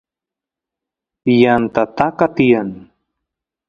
yanta taka tiyan